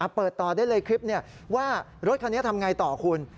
เปิดต่อได้เลยคลิปนี้ว่ารถคันนี้ทำไงต่อคุณ